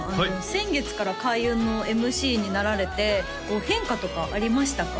先月から開運のＭＣになられてこう変化とかありましたか？